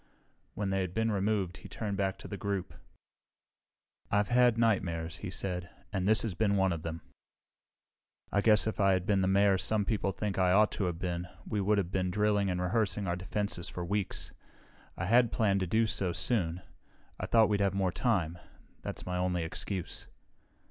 When they had been removed he turned back to the group. "I've had nightmares," he said, "and this has been one of them. I guess if I had been the Mayor some people think I ought to have been, we would have been drilling and rehearsing our defenses for weeks. I had planned to do so soon. I thought we'd have more time; that's my only excuse.